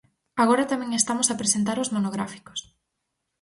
Agora tamén estamos a presentar os monográficos.